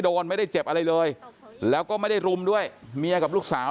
ไม่ได้เจ็บอะไรเลยแล้วก็ไม่ได้รุมด้วยเมียกับลูกสาว